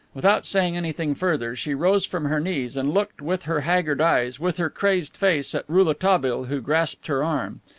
Without saying anything further, she rose from her knees and looked with her haggard eyes, with her crazed face, at Rouletabille, who grasped her arm.